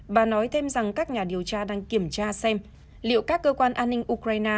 bà nói thêm rằng các nhà điều tra đang kiểm tra xem liệu các cơ quan an ninh ukraine